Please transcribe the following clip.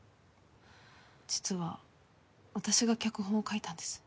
実は私が脚本を書いたんです。